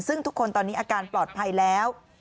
ซึ่งทุกคนตอนนี้อาการปลอดภัยแล้ว